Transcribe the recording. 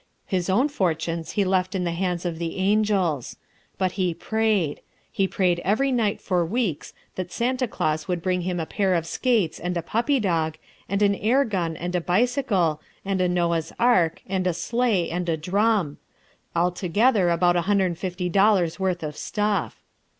His own fortunes he left in the hands of the angels. But he prayed. He prayed every night for weeks that Santa Claus would bring him a pair of skates and a puppy dog and an air gun and a bicycle and a Noah's ark and a sleigh and a drum altogether about a hundred and fifty dollars' worth of stuff.